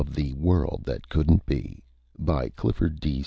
The World That Couldn't Be By CLIFFORD D.